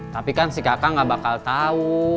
tapi kan si kakak gak bakal tahu